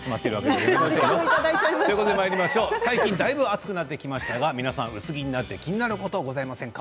最近だいぶ暑くなってきました皆さん、薄着になって気になっていることありませんか？